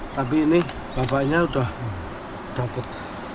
tapi ini bapaknya sudah dapat